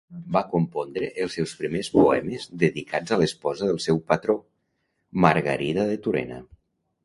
Va compondre els seus primers poemes dedicats a l'esposa del seu patró, Margarida de Turena.